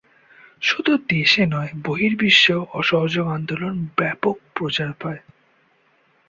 শুধু দেশে নয় বহির্বিশ্বেও অসহযোগ আন্দোলন ব্যাপক প্রচার পায়।